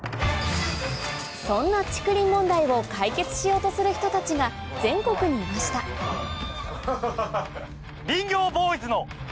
そんな竹林問題を解決しようとする人たちが全国にいました林業ボーイズの。